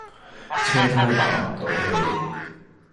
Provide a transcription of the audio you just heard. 車呔打唔到氣